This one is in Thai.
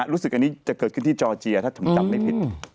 รู้สึกอันนี้จะเกิดขึ้นที่จอร์เจียถ้าผมจำไม่ผิด